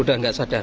udah nggak sadar